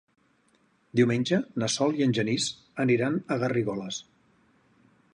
Diumenge na Sol i en Genís aniran a Garrigoles.